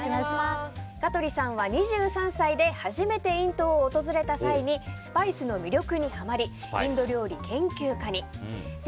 香取さんは２３歳で初めてインドを訪れた際にスパイスの魅力にハマりインド料理研究家に。